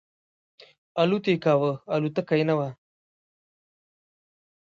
الوت یې کاو الوتکه یې نه وه.